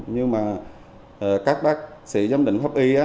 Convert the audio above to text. nhưng các bác sĩ giám định pháp y